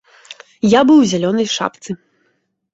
Я быў у зялёнай шапцы.